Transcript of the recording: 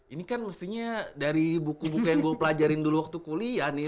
ini kan mestinya dari buku buku yang gue pelajarin dulu waktu kuliah nih